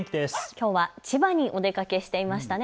きょうは千葉にお出かけしていましたね。